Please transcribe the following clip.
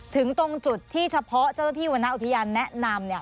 ถึงตรงจุดที่เฉพาะเจ้าหน้าที่วรรณอุทยานแนะนำเนี่ย